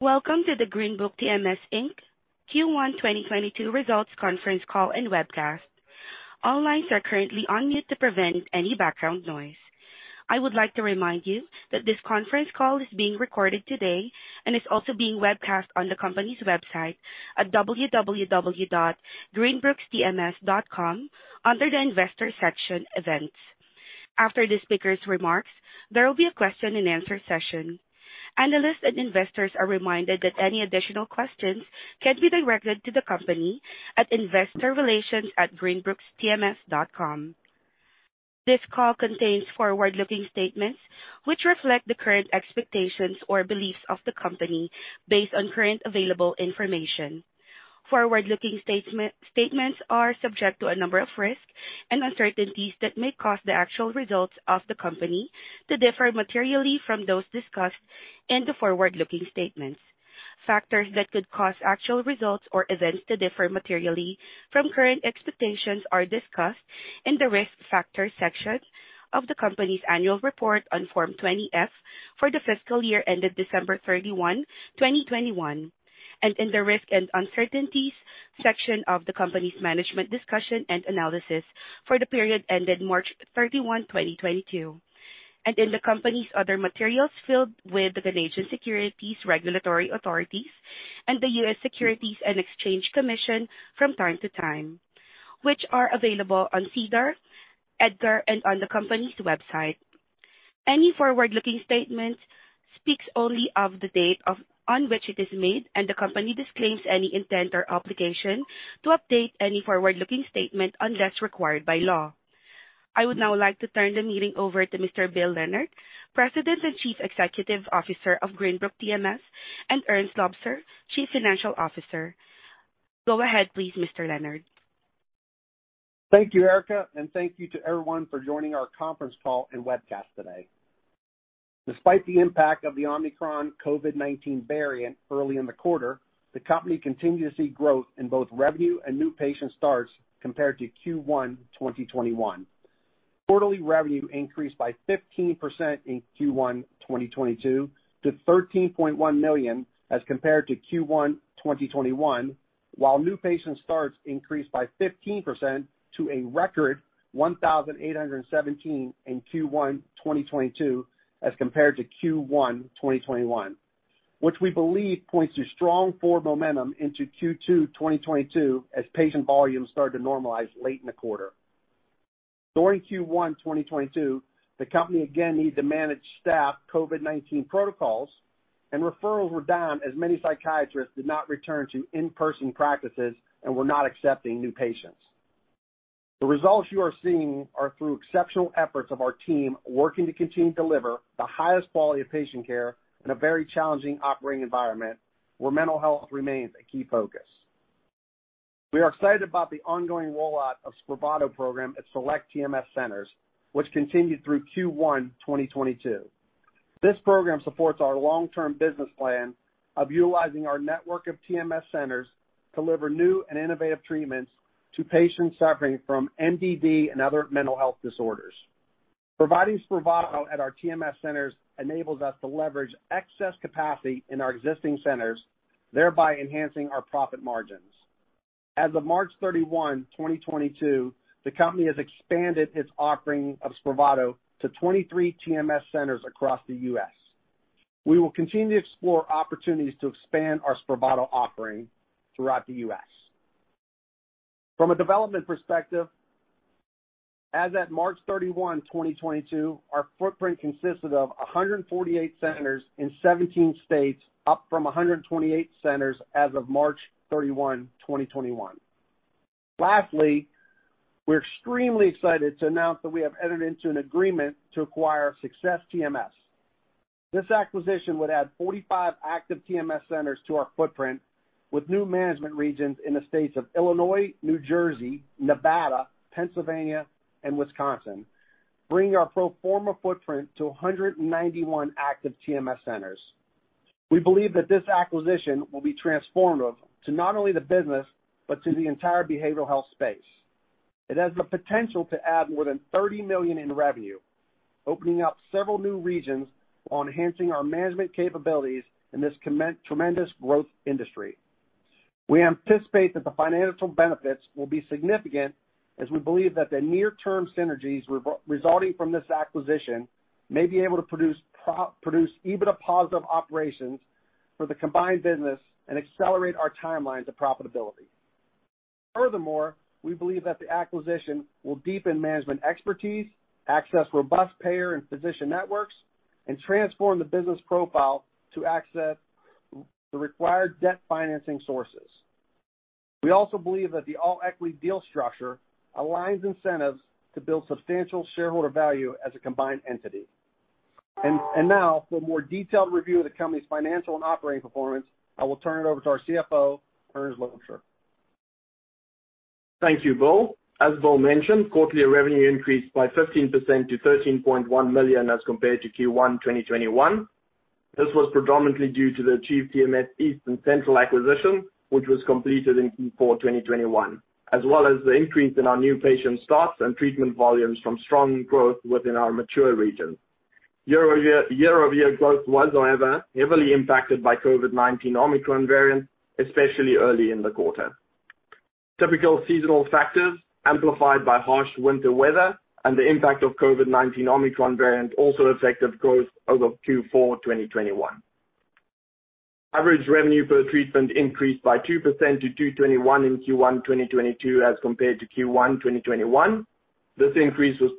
Welcome to the Greenbrook TMS Inc Q1 2022 results conference call and webcast. All lines are currently on mute to prevent any background noise. I would like to remind you that this conference call is being recorded today and is also being webcast on the company's website at www.greenbrooktms.com under the investor section events. After the speaker's remarks, there will be a question and answer session. Analysts and investors are reminded that any additional questions can be directed to the company at investorrelations@greenbrooktms.com. This call contains forward-looking statements which reflect the current expectations or beliefs of the company based on current available information. Forward-looking statements are subject to a number of risks and uncertainties that may cause the actual results of the company to differ materially from those discussed in the forward-looking statements. Factors that could cause actual results or events to differ materially from current expectations are discussed in the Risk Factors section of the company's annual report on Form 20-F for the fiscal year ended December 31, 2021. In the Risk and Uncertainties section of the company's management discussion and analysis for the period ended March 31, 2022. In the company's other materials filed with the Canadian Securities Administrators and the U.S. Securities and Exchange Commission from time to time, which are available on SEDAR, EDGAR, and on the company's website. Any forward-looking statement speaks only as of the date on which it is made, and the company disclaims any intent or obligation to update any forward-looking statement unless required by law. I would now like to turn the meeting over to Mr. Bill Leonard, President and Chief Executive Officer of Greenbrook TMS, and Erns Loubser, Chief Financial Officer. Go ahead, please, Mr. Leonard. Thank you, Erica, and thank you to everyone for joining our conference call and webcast today. Despite the impact of the Omicron COVID-19 variant early in the quarter, the company continued to see growth in both revenue and new patient starts compared to Q1 2021. Quarterly revenue increased by 15% in Q1 2022 to $13.1 million as compared to Q1 2021, while new patient stats increased by 15% to a record 1,817 in Q1 2022 as compared to Q1 2021, which we believe points to strong forward momentum into Q2 2022 as patient volumes started to normalize late in the quarter. During Q1 2022, the company again needed to manage staff COVID-19 protocols and referrals were down as many psychiatrists did not return to in-person practices and were not accepting new patients. The results you are seeing are through exceptional efforts of our team working to continue to deliver the highest quality of patient care in a very challenging operating environment where mental health remains a key focus. We are excited about the ongoing rollout of Spravato program at select TMS centers, which continued through Q1 2022. This program supports our long-term business plan of utilizing our network of TMS centers to deliver new and innovative treatments to patients suffering from MDD and other mental health disorders. Providing Spravato at our TMS centers enables us to leverage excess capacity in our existing centers, thereby enhancing our profit margins. As of March 31, 2022, the company has expanded its offering of Spravato to 23 TMS centers across the U.S. We will continue to explore opportunities to expand our Spravato offering throughout the U.S. From a development perspective, as at March 31, 2022, our footprint consisted of 148 centers in 17 states, up from 128 centers as of March 31, 2021. We're extremely excited to announce that we have entered into an agreement to acquire Success TMS. This acquisition would add 45 active TMS centers to our footprint with new management regions in the states of Illinois, New Jersey, Nevada, Pennsylvania, and Wisconsin, bringing our pro forma footprint to 191 active TMS centers. We believe that this acquisition will be transformative to not only the business but to the entire behavioral health space. It has the potential to add more than $30 million in revenue, opening up several new regions while enhancing our management capabilities in this tremendous growth industry. We anticipate that the financial benefits will be significant as we believe that the near-term synergies resulting from this acquisition may be able to produce EBITDA positive operations for the combined business and accelerate our timeline to profitability. Furthermore, we believe that the acquisition will deepen management expertise, access robust payer and physician networks, and transform the business profile to access the required debt financing sources. We also believe that the all-equity deal structure aligns incentives to build substantial shareholder value as a combined entity. Now for a more detailed review of the company's financial and operating performance, I will turn it over to our CFO, Erns Loubser. Thank you, Bill. As Bill mentioned, quarterly revenue increased by 15% to $13.1 million as compared to Q1 2021. This was predominantly due to the Achieve TMS East and Achieve TMS Central acquisition, which was completed in Q4 2021. As well as the increase in our new patient starts and treatment volumes from strong growth within our mature regions. Year-over-year growth was, however, heavily impacted by COVID-19 Omicron variant, especially early in the quarter. Typical seasonal factors amplified by harsh winter weather and the impact of COVID-19 Omicron variant also affected growth over Q4 2021. Average revenue per treatment increased by 2% to $221 million in Q1 2022 as compared to Q1 2021. This increase was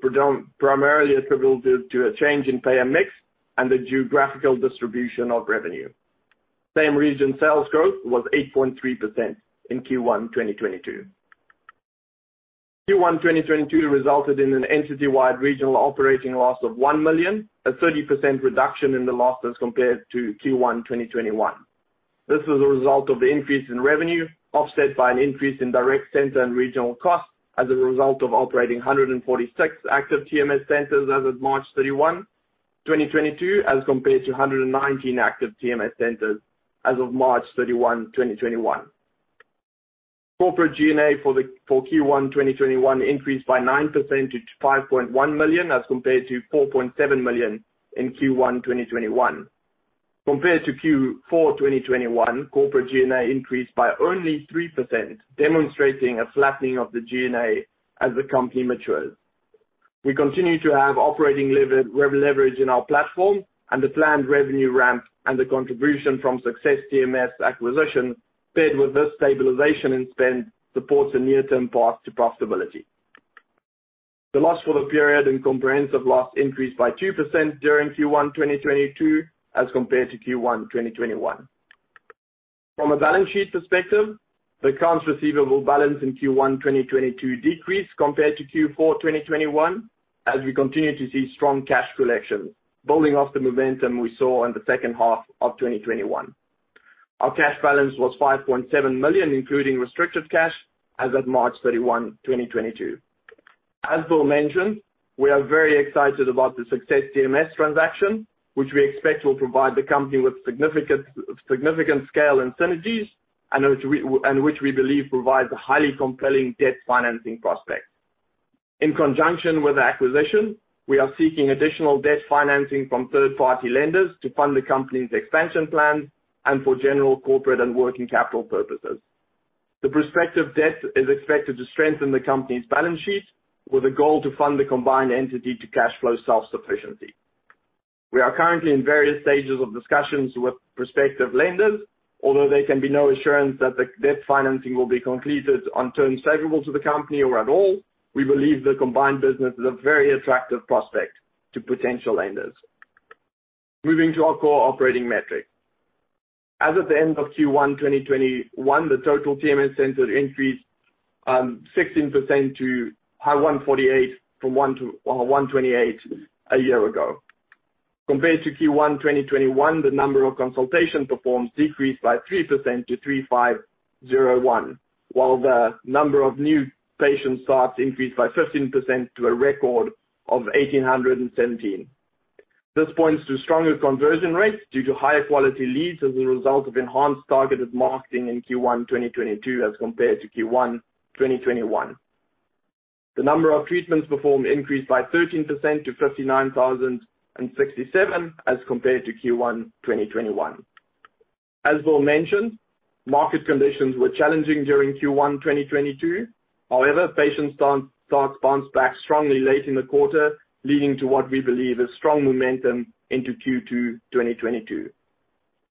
primarily attributable to a change in payer mix and the geographical distribution of revenue. Same region sales growth was 8.3% in Q1 2022. Q1 2022 resulted in an entity-wide regional operating loss of $1 million, a 30% reduction in the loss as compared to Q1 2021. This was a result of the increase in revenue, offset by an increase in direct center and regional costs as a result of operating 146 active TMS centers as of March 31, 2022, as compared to 119 active TMS centers as of March 31, 2021. Corporate G&A for Q1 2021 increased by 9% to $5.1 million, as compared to $4.7 million in Q1 2021. Compared to Q4 2021, corporate G&A increased by only 3%, demonstrating a flattening of the G&A as the company matures. We continue to have operating leverage in our platform and the planned revenue ramp and the contribution from Success TMS acquisition, paired with this stabilization in spend supports a near-term path to profitability. The loss for the period and comprehensive loss increased by 2% during Q1 2022 as compared to Q1 2021. From a balance sheet perspective, the accounts receivable balance in Q1 2022 decreased compared to Q4 2021 as we continue to see strong cash collection, building off the momentum we saw in the second half of 2021. Our cash balance was $5.7 million, including restricted cash as of March 31, 2022. As Bill mentioned, we are very excited about the Success TMS transaction, which we expect will provide the company with significant scale and synergies and which we believe provides a highly compelling debt financing prospect. In conjunction with the acquisition, we are seeking additional debt financing from third party lenders to fund the company's expansion plans and for general corporate and working capital purposes. The prospective debt is expected to strengthen the company's balance sheets with a goal to fund the combined entity to cash flow self-sufficiency. We are currently in various stages of discussions with prospective lenders although there can be no assurance that the debt financing will be completed on terms favorable to the company or at all. We believe the combined business is a very attractive prospect to potential lenders. Moving to our core operating metrics. As of the end of Q1 2021, the total TMS centers increased 16% to 148 from 128 a year ago. Compared to Q1 2021, the number of consultations performed decreased by 3% to 3,501, while the number of new patient starts increased by 15% to a record of 1,817. This points to stronger conversion rates due to higher quality leads as a result of enhanced targeted marketing in Q1 2022 as compared to Q1 2021. The number of treatments performed increased by 13% to 59,067 as compared to Q1 2021. As Bill mentioned, market conditions were challenging during Q1 2022. However, patient starts bounced back strongly late in the quarter, leading to what we believe is strong momentum into Q2 2022.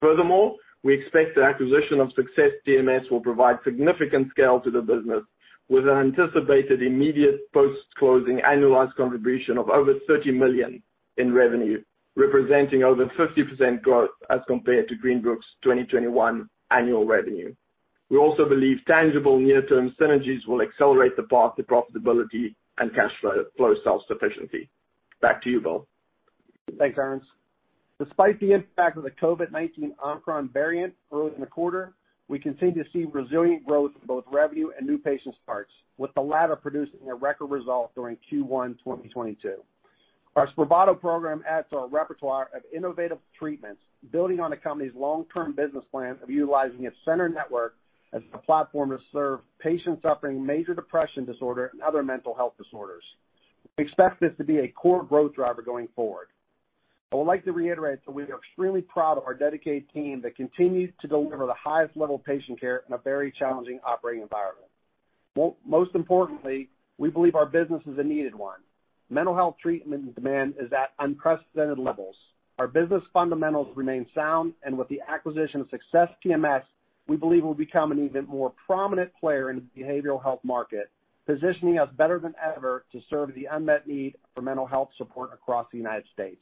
Furthermore, we expect the acquisition of Success TMS will provide significant scale to the business with an anticipated immediate post-closing annualized contribution of over $30 million in revenue, representing over 50% growth as compared to Greenbrook's 2021 annual revenue. We also believe tangible near-term synergies will accelerate the path to profitability and cash flow self-sufficiency. Back to you, Bill. Thanks, Erns. Despite the impact of the COVID-19 Omicron variant early in the quarter, we continue to see resilient growth in both revenue and new patient starts, with the latter producing a record result during Q1 2022. Our Spravato program adds to our repertoire of innovative treatments building on the company's long-term business plan of utilizing its center network as the platform to serve patients suffering major depressive disorder and other mental health disorders. We expect this to be a core growth driver going forward. I would like to reiterate that we are extremely proud of our dedicated team that continues to deliver the highest level of patient care in a very challenging operating environment. Most importantly, we believe our business is a needed one. Mental health treatment demand is at unprecedented levels. Our business fundamentals remain sound, and with the acquisition of Success TMS, we believe we'll become an even more prominent player in the behavioral health market, positioning us better than ever to serve the unmet need for mental health support across the United States.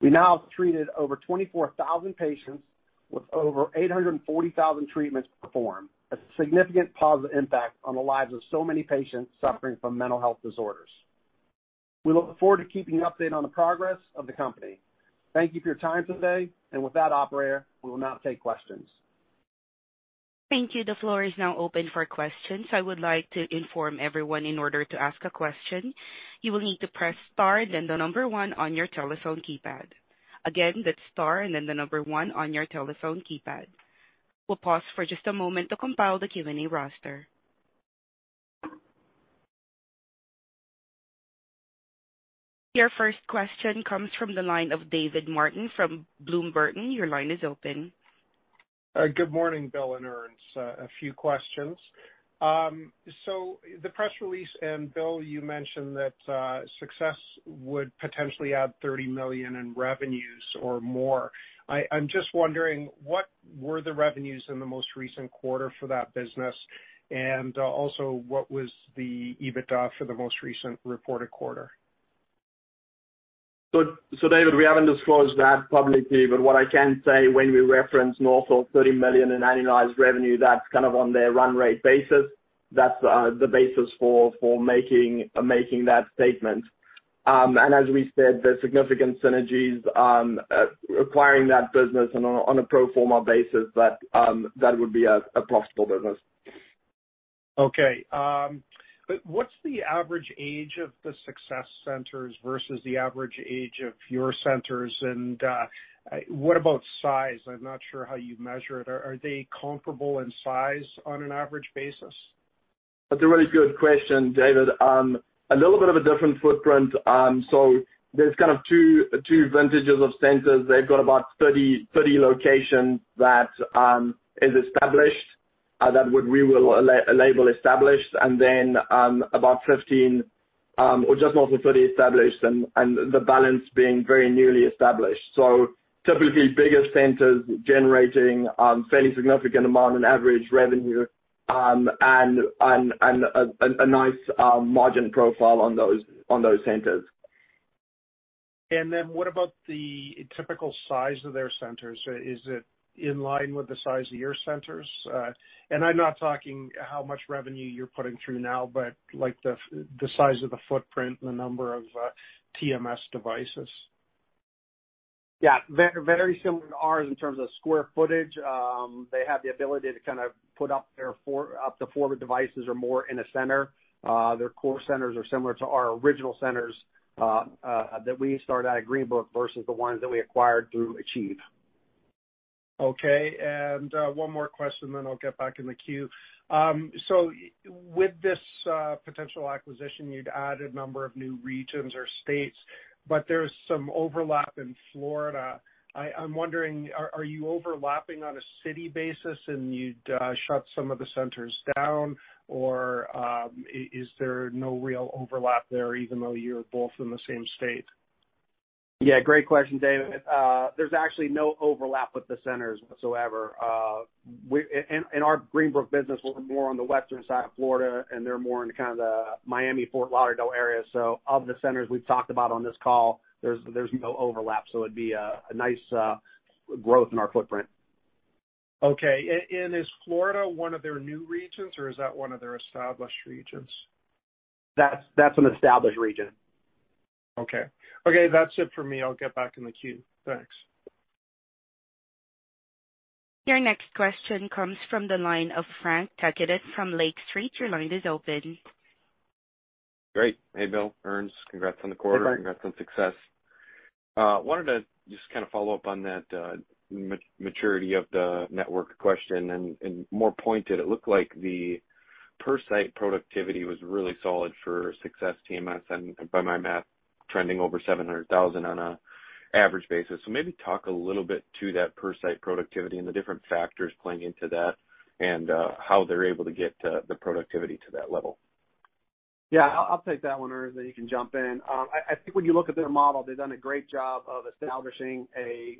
We now have treated over 24,000 patients with over 840,000 treatments performed, a significant positive impact on the lives of so many patients suffering from mental health disorders. We look forward to keeping you updated on the progress of the company. Thank you for your time today. With that, operator, we will now take questions. Thank you. The floor is now open for questions. I would like to inform everyone in order to ask a question, you will need to press star then the number one on your telephone keypad. Again, that's star and then the number one on your telephone keypad. We'll pause for just a moment to compile the Q&A roster. Your first question comes from the line of David Martin from Bloom Burton. Your line is open. Good morning, Bill and Erns. A few questions. The press release and Bill, you mentioned that Success would potentially add $30 million in revenues or more. I'm just wondering what were the revenues in the most recent quarter for that business? Also, what was the EBITDA for the most recent reported quarter? David, we haven't disclosed that publicly, but what I can say when we reference north of $30 million in annualized revenue, that's kind of on their run rate basis. That's the basis for making that statement. As we said, there's significant synergies acquiring that business and on a pro forma basis that would be a profitable business. Okay. What's the average age of the Success centers versus the average age of your centers? What about size? I'm not sure how you measure it. Are they comparable in size on an average basis? That's a really good question, David. A little bit of a different footprint. There's kind of two vintages of centers. They've got about 30 locations that we will label established and then about 15 or just north of 30 established and the balance being very newly established. Typically bigger centers generating fairly significant amount on average revenue and a nice margin profile on those centers. What about the typical size of their centers? Is it in line with the size of your centers? I'm not talking how much revenue you're putting through now, but like the size of the footprint and the number of TMS devices. Very similar to ours in terms of square footage. They have the ability to put up to four devices or more in a center. Their core centers are similar to our original centers that we started at Greenbrook versus the ones that we acquired through Achieve. Okay. One more question, then I'll get back in the queue. With this potential acquisition you'd add a number of new regions or states, but there's some overlap in Florida. I'm wondering, are you overlapping on a city basis and you'd shut some of the centers down? Is there no real overlap there even though you're both in the same state? Yeah, great question, David. There's actually no overlap with the centers whatsoever. In our Greenbrook business, we're more on the western side of Florida and they're more in kind of the Miami, Fort Lauderdale area. Of the centers we've talked about on this call there's no overlap, so it'd be a nice growth in our footprint. Okay. Is Florida one of their new regions or is that one of their established regions? That's an established region. Okay. Okay, that's it for me. I'll get back in the queue. Thanks. Your next question comes from the line of Frank Takac from Lake Street. Your line is open. Great. Hey, Bill, Erns. Congrats on the quarter. Hey, Frank. Congrats on Success. Wanted to just kind of follow up on that, maturity of the network question, and more pointed, it looked like the per site productivity was really solid for Success TMS and by my math trending over $700,000 on an average basis. Maybe talk a little bit to that per site productivity and the different factors playing into that and how they're able to get the productivity to that level. Yeah, I'll take that one, Erns, then you can jump in. I think when you look at their model, they've done a great job of establishing a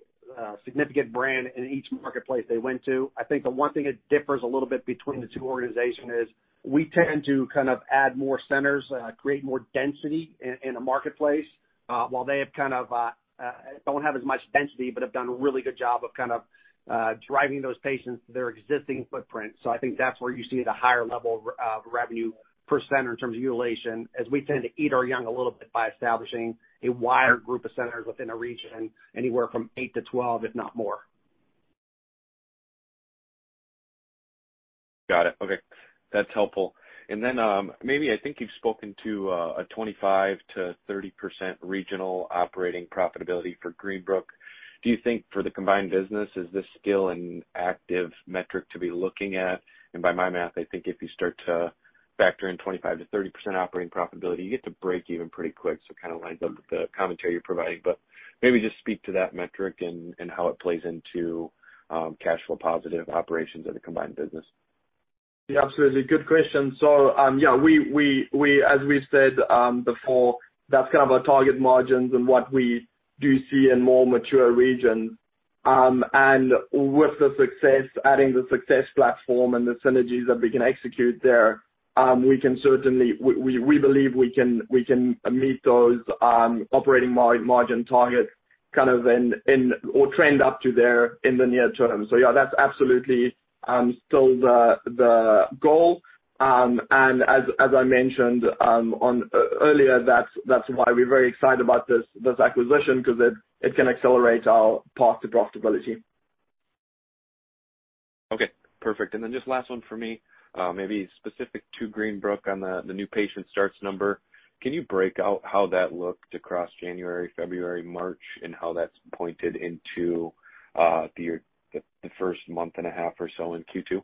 significant brand in each marketplace they went to. I think the one thing that differs a little bit between the two organizations is we tend to kind of add more centers, create more density in a marketplace, while they kind of don't have as much density, but have done a really good job of kind of driving those patients to their existing footprint. I think that's where you see the higher level of revenue per center in terms of utilization, as we tend to eat our young a little bit by establishing a wider group of centers within a region, anywhere from 8-12, if not more. Got it. Okay. That's helpful. Maybe I think you've spoken to a 25%-30% regional operating profitability for Greenbrook. Do you think for the combined business is this still an active metric to be looking at? By my math, I think if you start to factor in 25%-30% operating profitability, you get to break even pretty quick. It kind of lines up with the commentary you're providing. Maybe just speak to that metric and how it plays into cash flow positive operations of the combined business. Yeah, absolutely. Good question. As we said before, that's kind of our target margins and what we do see in more mature regions. With the Success, adding the Success platform and the synergies that we can execute there, we believe we can meet those operating margin targets kind of in or trend up to there in the near term. Yeah, that's absolutely still the goal. As I mentioned earlier, that's why we're very excited about this acquisition, because it can accelerate our path to profitability. Okay. Perfect. Just last one for me, maybe specific to Greenbrook on the new patient starts number. Can you break out how that looked across January, February, March, and how that's pointed into the year, the first month and a half or so in Q2?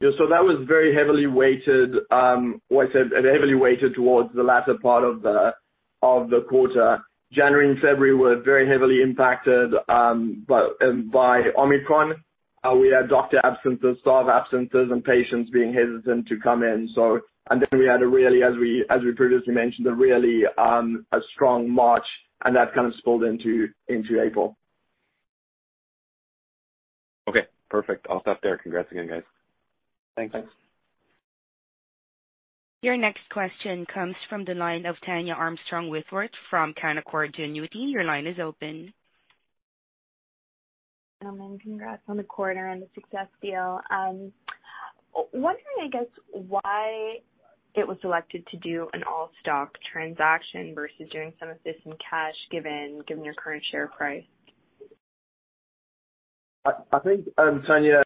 That was very heavily weighted towards the latter part of the quarter. January and February were very heavily impacted by Omicron. We had doctor absences, staff absences, and patients being hesitant to come in. We had a really strong March, as we previously mentioned, and that kind of spilled into April. Okay, perfect. I'll stop there. Congrats again, guys. Thanks. Your next question comes from the line of Tania Armstrong-Whitworth from Canaccord Genuity. Your line is open. Gentlemen, congrats on the quarter and the Success deal. Wondering, I guess, why it was elected to do an all-stock transaction versus doing some of this in cash, given your current share price. I think, Tania,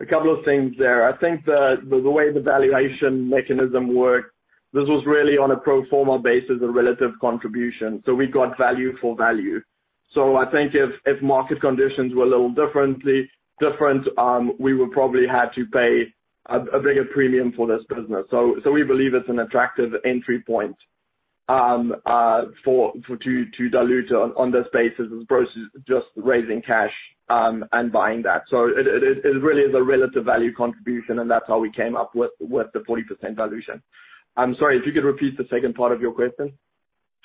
a couple of things there. I think the way the valuation mechanism worked, this was really on a pro forma basis, a relative contribution. We got value for value. I think if market conditions were a little different, we would probably had to pay a bigger premium for this business. We believe it's an attractive entry point to dilute on this basis, as opposed to just raising cash and buying that. It really is a relative value contribution, and that's how we came up with the 40% dilution. I'm sorry, if you could repeat the second part of your question.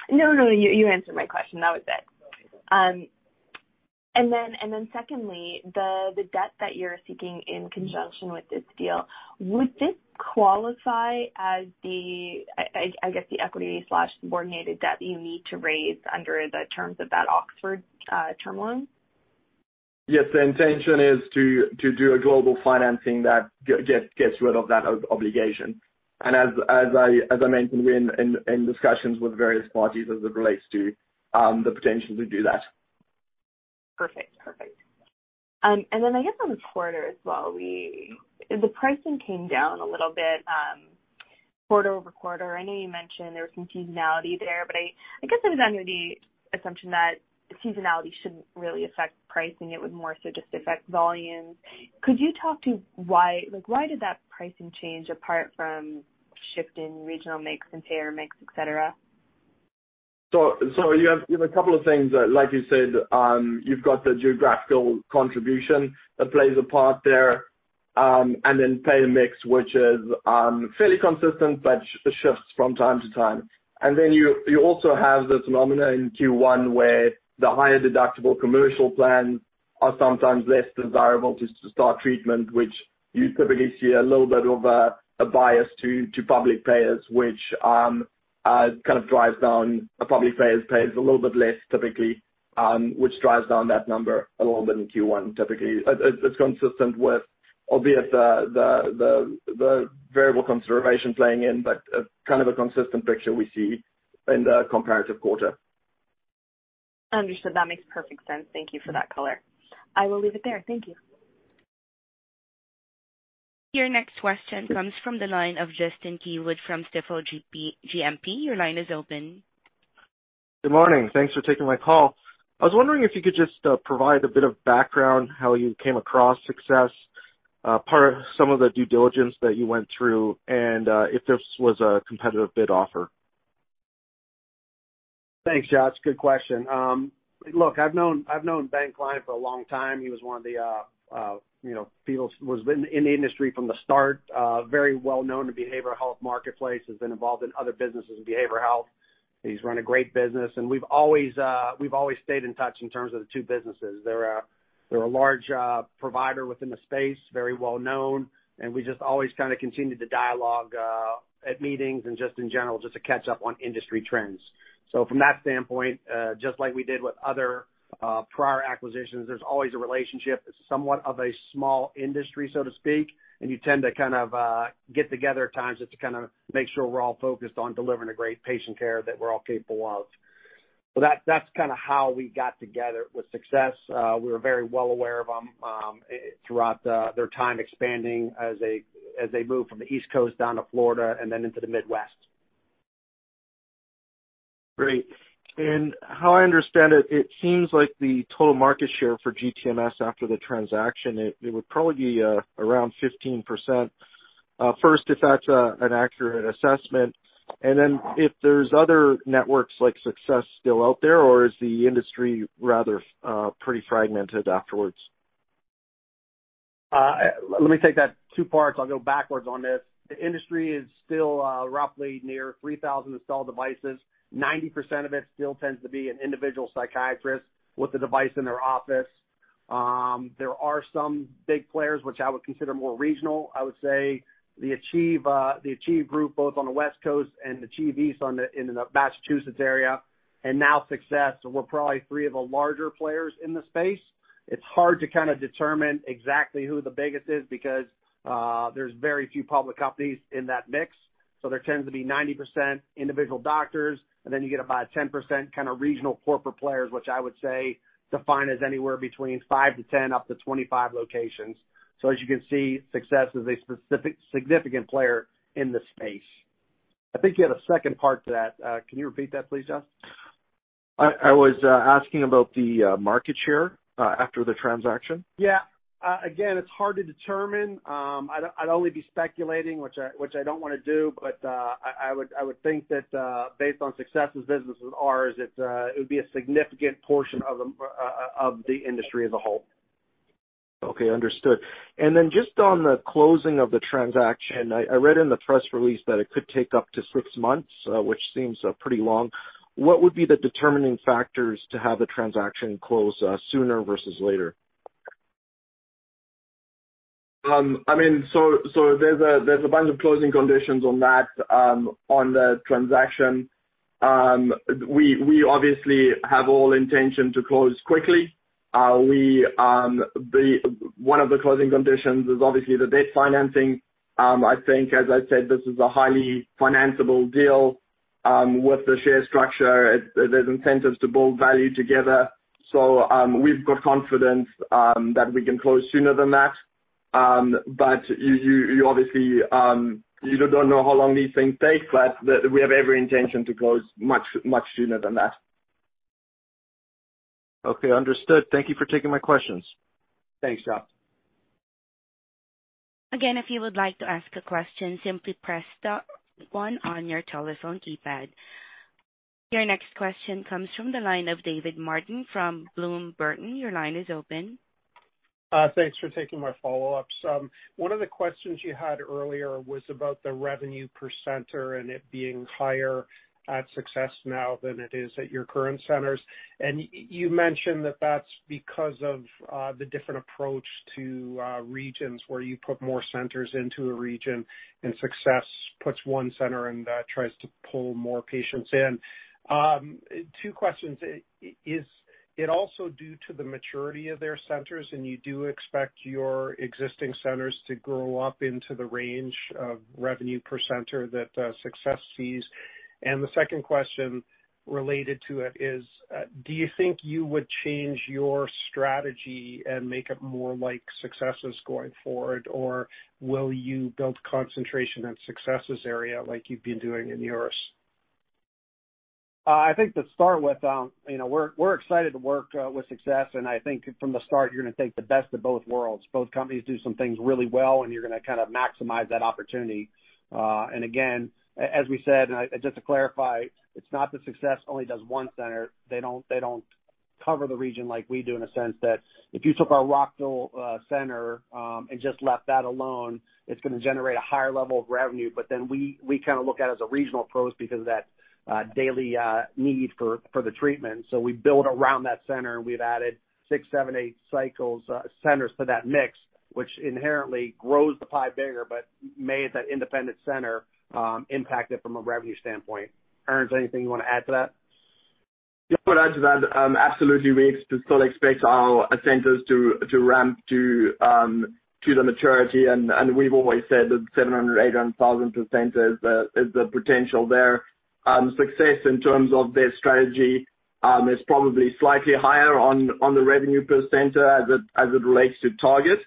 No. You answered my question. That was it. Secondly, the debt that you're seeking in conjunction with this deal would this qualify as, I guess, the equity/subordinated debt you need to raise under the terms of that Oxford term loan? Yes. The intention is to do a global financing that gets rid of that obligation. As I mentioned, we're in discussions with various parties as it relates to the potential to do that. Perfect. Perfect. I guess on the quarter as well. The pricing came down a little bit, quarter-over-quarter. I know you mentioned there was some seasonality there, but I guess I was under the assumption that seasonality shouldn't really affect pricing. It would more so just affect volumes. Could you talk to why did that pricing change apart from shift in regional mix and payer mix, et cetera? You have a couple of things that, like you said, you've got the geographical contribution that plays a part there, and then payer mix, which is fairly consistent, but shifts from time to time. You also have this phenomenon in Q1, where the higher deductible commercial plans are sometimes less desirable to start treatment, which you typically see a little bit of a bias to public payers, which kind of drives down. Public payers pay a little bit less typically, which drives down that number a little bit in Q1. It's consistent with, albeit the variable consideration playing in, but kind of a consistent picture we see in the comparative quarter. Understood. That makes perfect sense. Thank you for that color. I will leave it there. Thank you. Your next question comes from the line of Justin Keywood from Stifel GMP. Your line is open. Good morning. Thanks for taking my call. I was wondering if you could just provide a bit of background how you came across Success, per some of the due diligence that you went through, and if this was a competitive bid offer? Thanks, Justin. Good question. Look, I've known Ben Klein for a long time. He was one of the people in the industry from the start, very well known in the behavioral health marketplace, has been involved in other businesses in behavioral health. He's run a great business and we've always stayed in touch in terms of the two businesses. They're a large provider within the space, very well known, and we just always kinda continued to dialogue at meetings and just in general just to catch up on industry trends. From that standpoint, just like we did with other prior acquisitions, there's always a relationship. It's somewhat of a small industry, so to speak, and you tend to kind of get together at times just to kinda make sure we're all focused on delivering a great patient care that we're all capable of. That's kinda how we got together with Success TMS. We were very well aware of them throughout their time expanding as they moved from the East Coast down to Florida and then into the Midwest. Great. How I understand it seems like the total market share for Greenbrook TMS after the transaction, it would probably be around 15%. First, if that's an accurate assessment, and then if there's other networks like Success still out there, or is the industry rather pretty fragmented afterwards? Let me take that in two parts. I'll go backwards on this. The industry is still roughly near 3,000 installed devices. 90% of it still tends to be an individual psychiatrist with a device in their office. There are some big players which I would consider more regional. I would say the Achieve TMS group, both on the West Coast and Achieve TMS East in the Massachusetts area, and now Success TMS. We're probably three of the larger players in the space. It's hard to kinda determine exactly who the biggest is because there's very few public companies in that mix. There tends to be 90% individual doctors, and then you get about 10% kinda regional corporate players, which I would say define as anywhere between 5-10, up to 25 locations. As you can see, Success is a significant player in the space. I think you had a second part to that. Can you repeat that please, Justin Keywood? I was asking about the market share after the transaction. Yeah. Again, it's hard to determine. I'd only be speculating, which I don't wanna do, but I would think that based on Success's business with ours, it would be a significant portion of the industry as a whole. Okay, understood. Just on the closing of the transaction, I read in the press release that it could take up to 6 months, which seems pretty long. What would be the determining factors to have the transaction close sooner versus later? I mean, there's a bunch of closing conditions on that, on the transaction. We obviously have all intention to close quickly. One of the closing conditions is obviously the debt financing. I think as I said, this is a highly financeable deal with the share structure. There's incentives to build value together. We've got confidence that we can close sooner than that. You obviously, you don't know how long these things take, but we have every intention to close much sooner than that. Okay, understood. Thank you for taking my questions. Thanks, Justin. Again, if you would like to ask a question, simply press star one on your telephone keypad. Your next question comes from the line of David Martin from Bloom Burton. Your line is open. Thanks for taking my follow-ups. One of the questions you had earlier was about the revenue per center and it being higher at Success now than it is at your current centers. You mentioned that that's because of the different approach to regions where you put more centers into a region and Success puts one center and that tries to pull more patients in. Two questions. Is it also due to the maturity of their centers and you do expect your existing centers to grow up into the range of revenue per center that Success sees? The second question related to it is, do you think you would change your strategy and make it more like Success' going forward? Or will you build concentration in Success's area like you've been doing in yours? I think to start with, you know, we're excited to work with Success, and I think from the start you're gonna take the best of both worlds. Both companies do some things really well and you're gonna kind of maximize that opportunity. Again, as we said, and just to clarify, it's not that Success only does one center. They don't cover the region like we do in a sense that if you took our Rockville center and just left that alone, it's gonna generate a higher level of revenue. We kind of look at it as a regional approach because of that daily need for the treatment. We build around that center and we've added 6, 7, 8 cycles centers to that mix, which inherently grows the pie bigger, but made that independent center impacted from a revenue standpoint. Erns, anything you wanna add to that? Yeah. I'd add to that, absolutely we still expect our centers to ramp to the maturity and we've always said that $700,000-$800,000 per center is the potential there. Success in terms of their strategy is probably slightly higher on the revenue per center as it relates to target.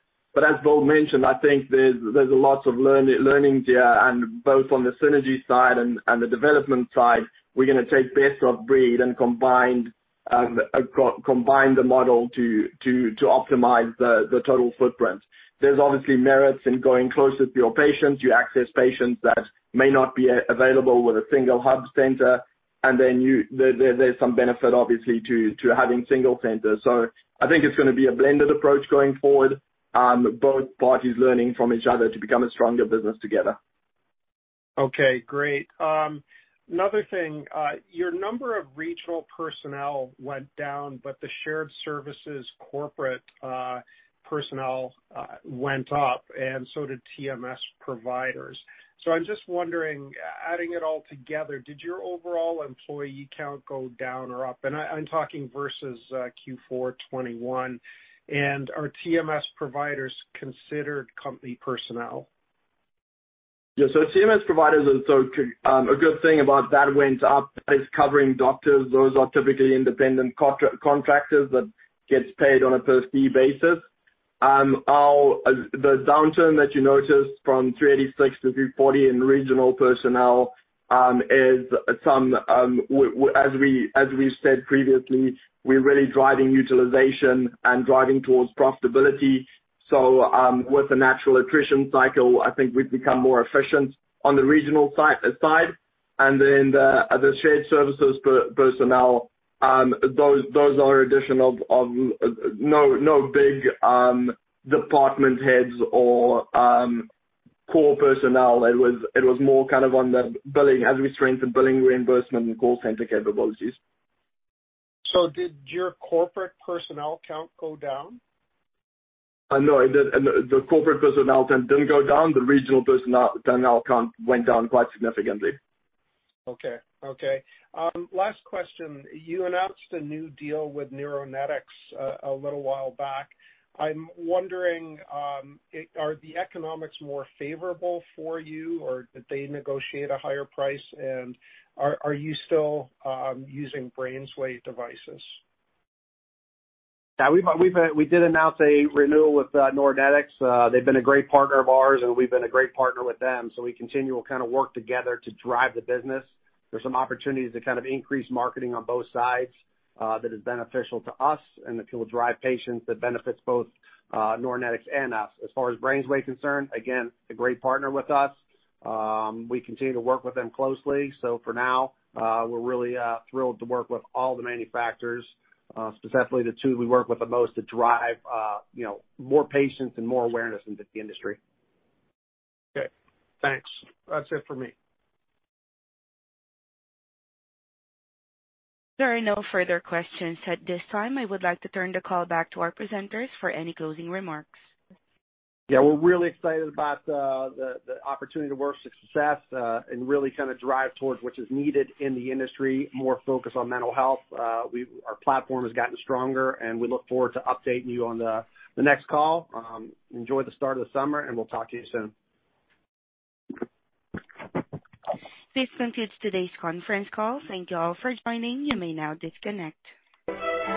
As Bill mentioned, I think there's lots of learnings here and both on the synergy side and the development side, we're gonna take best of breed and combine the model to optimize the total footprint. There's obviously merits in going closer to your patients. You access patients that may not be available with a single hub center. There's some benefit obviously to having single centers. I think it's gonna be a blended approach going forward, both parties learning from each other to become a stronger business together. Okay, great. Another thing, your number of regional personnel went down, but the shared services corporate personnel went up and so did TMS providers. I'm just wondering, adding it all together, did your overall employee count go down or up? I'm talking versus Q4 2021. Are TMS providers considered company personnel? Yeah. TMS providers are so, a good thing about that went up is covering doctors. Those are typically independent contractors that gets paid on a per fee basis. The downturn that you noticed from 386 to 340 in regional personnel is, as we've said previously, we're really driving utilization and driving towards profitability. With the natural attrition cycle, I think we've become more efficient on the regional side. The shared services personnel, those are addition of no big department heads or core personnel. It was more kind of on the billing as we strengthened billing reimbursement and call center capabilities. Did your corporate personnel count go down? No. The corporate personnel then didn't go down. The regional personnel count went down quite significantly. Okay. Okay. Last question. You announced a new deal with Neuronetics a little while back. I'm wondering, are the economics more favorable for you or did they negotiate a higher price and are you still using BrainsWay devices? Yeah. We did announce a renewal with Neuronetics. They've been a great partner of ours, and we've been a great partner with them. We continue kind of work together to drive the business. There's some opportunities to kind of increase marketing on both sides that is beneficial to us and that will drive patients that benefits both, Neuronetics and us. As far as BrainsWay concerned, again, a great partner with us. We continue to work with them closely. For now, we're really thrilled to work with all the manufacturers, specifically the two we work with the most to drive you know, more patients and more awareness into the industry. Okay, thanks. That's it for me. There are no further questions at this time. I would like to turn the call back to our presenters for any closing remarks. Yeah, we're really excited about the opportunity to work with Success, and really kind of drive towards what is needed in the industry, more focus on mental health. Our platform has gotten stronger, and we look forward to updating you on the next call. Enjoy the start of the summer and we'll talk to you soon. This concludes today's conference call. Thank you all for joining. You may now disconnect.